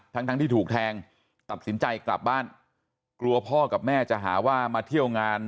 ทั้งทั้งที่ถูกแทงตัดสินใจกลับบ้านกลัวพ่อกับแม่จะหาว่ามาเที่ยวงาน